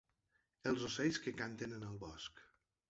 Els ocells que canten en el bosc.